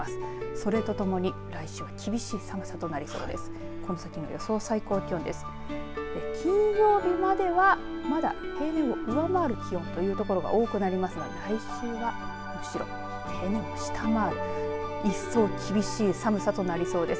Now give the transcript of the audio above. それとともに来週は厳しい寒さとなりそうです。